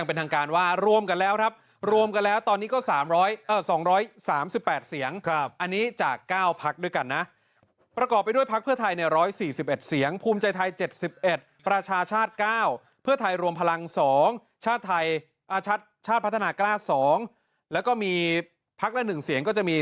พักละหนึ่งเสียงก็จะมี